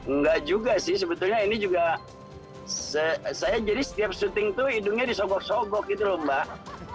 nggak juga sih sebetulnya ini juga saya jadi setiap syuting itu hidungnya disobok sobok gitu loh mbak